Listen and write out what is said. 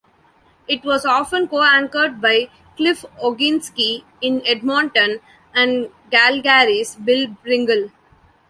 It was often co-anchored by Cliff Oginski in Edmonton and Calgary's Bill Pringle.